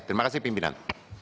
terima kasih pimpinan